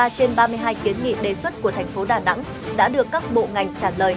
một mươi ba trên ba mươi hai kiến nghị đề xuất của tp đà nẵng đã được các bộ ngành trả lời